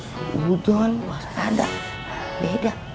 seuzon waspada beda